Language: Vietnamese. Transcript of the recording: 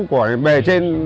của bề trên